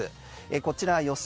こちら予想